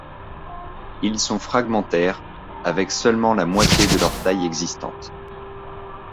Ils sont fragmentaires, avec seulement la moitié de leur taille existante.